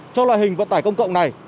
cho loại hình vận tải công cộng này